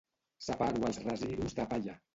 Separo els residus de palla.